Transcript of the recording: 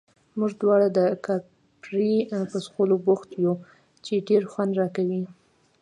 موږ دواړه د کاپري په څښلو بوخت یو، چې ډېر خوند راکوي.